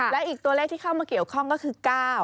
และอีกตัวเลขที่เข้ามาเกี่ยวข้องก็คือ๙